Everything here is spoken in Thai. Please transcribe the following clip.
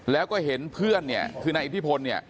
แล้วก็เห็นเพื่อนคือนายอิทธิพล